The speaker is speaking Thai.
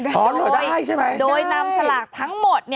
อ๋อหลวงได้ใช่ไหมได้โดยนำสลากทั้งหมด